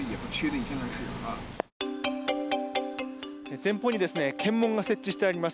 前方に検問が設置してあります。